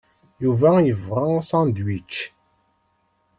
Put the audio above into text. Yuba yebɣa asandwič.